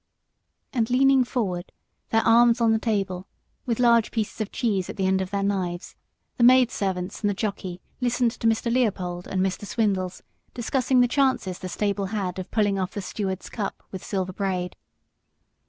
And leaning forward, their arms on the table, with large pieces of cheese at the end of their knives, the maid servants and the jockey listened while Mr. Leopold and Mr. Swindles discussed the chances the stable had of pulling off the Stewards' Cup with Silver Braid.